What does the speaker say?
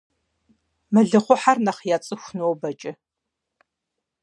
Мэлыхъуэхьэр нэхъ яцӀыху нобэкӀэ.